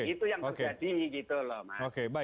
itu yang terjadi gitu loh mas